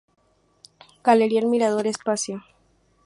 Galería El Mirador espacio.